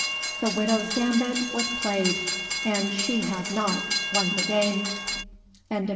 The Widow's gambit was played, and she had not won the game. CHAPTER XXIII.